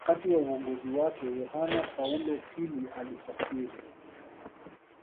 Wakati wa uongozi wake Yohane Paulo pili alisafiri